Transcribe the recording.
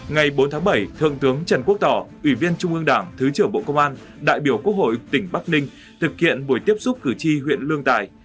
ngày bốn tháng bảy thượng tướng trần quốc tỏ ủy viên trung ương đảng thứ trưởng bộ công an đại biểu quốc hội tỉnh bắc ninh thực hiện buổi tiếp xúc cử tri huyện lương tài